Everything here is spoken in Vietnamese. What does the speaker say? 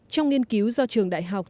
trong nghiên cứu do trường đại học